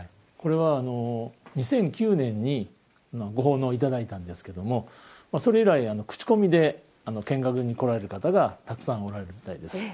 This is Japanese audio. これは２００９年にご奉納いただいたんですけどもそれ以来口コミで見学に来られる方がたくさんおられるみたいです。